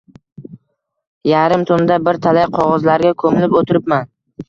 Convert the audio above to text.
Yarim tunda bir talay qog'ozlarga ko'milib o'tiribman.